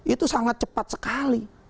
itu sangat cepat sekali